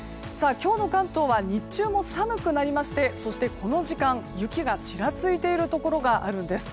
今日の関東は日中も寒くなりましてそしてこの時間雪がちらついているところがあるんです。